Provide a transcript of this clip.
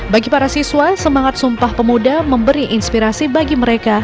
bagi para siswa semangat sumpah pemuda memberi inspirasi bagi mereka